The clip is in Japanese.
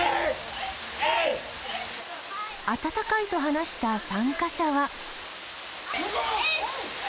暖かいと話した参加者は。